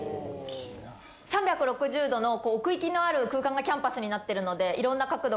３６０度の奥行きのある空間がキャンバスになってるので。